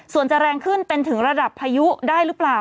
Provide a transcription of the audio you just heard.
ส่วนจะแรงขึ้นเป็นถึงระดับพายุได้หรือเปล่า